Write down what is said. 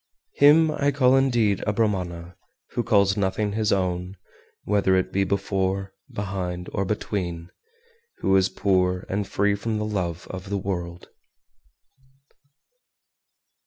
421. Him I call indeed a Brahmana who calls nothing his own, whether it be before, behind, or between, who is poor, and free from the love of the world.